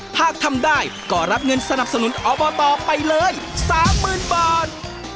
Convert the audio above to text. ทำได้ก็รับเงินสนับสนุนอบตไปเลย๓๐๐๐บาท